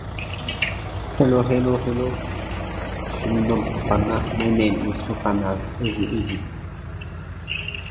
Under Ottoman rule, it initially formed part of the Eyalet of Aleppo.